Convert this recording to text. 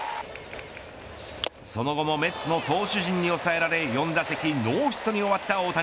その後もメッツの投手陣に抑えられ４打席ノーヒットに終わった大谷。